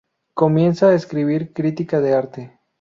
Comienza a escribir crítica de arte.